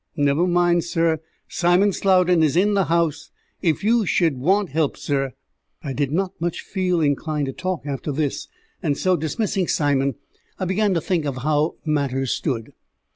Never mind, sur; Simon Slowden is in the 'ouse, if you should want help, sur." I did not feel much inclined to talk after this, and so, dismissing Simon, I began to think of how matters stood.